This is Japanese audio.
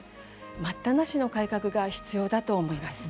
待ったなしの改革が必要だと思います。